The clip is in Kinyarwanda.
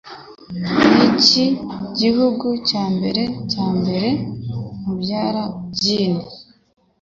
Niki Gihugu Cyambere Cyambere Mubyara Gin